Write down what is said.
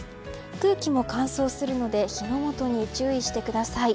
空気も乾燥するので火の元に注意してください。